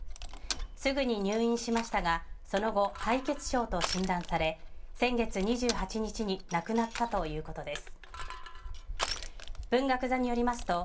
すぐに入院しましたがその後、敗血症と診断され先月２８日に亡くなったということです。